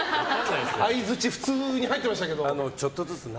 相づち普通に入ってましたけど。